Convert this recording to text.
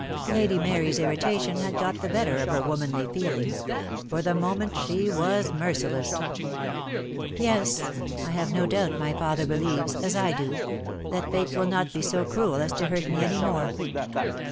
Lady Mary's irritation had got the better of her womanly feeling. For the moment she was merciless. "Yes. I have no doubt my father believes — as I do — that Fate will not be so cruel as to hurt me any more."